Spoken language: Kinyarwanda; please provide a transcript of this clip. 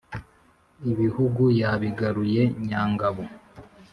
ibihugu yabigaruye nyangabo.